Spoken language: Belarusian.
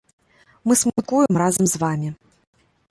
Мы смуткуем разам з вамі.